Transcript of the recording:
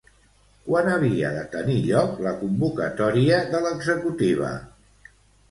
Quan havia de tenir lloc la convocatòria de l'executiva?